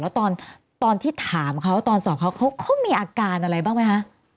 แล้วตอนที่ถามเขาตอนสอบเขาเขามีอาการอะไรบ้างไหมคะ